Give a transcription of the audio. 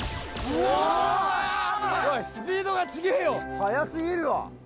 速すぎるわ。